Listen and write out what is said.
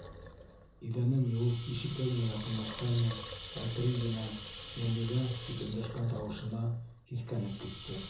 Иҙәнен йыуып ишеккә генә яҡынлашҡайны, әкрен генә «Йәмилә» тип өндәшкән тауышына һиҫкәнеп китте.